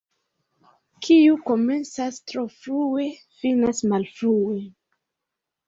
Kiu komencas tro frue, finas malfrue.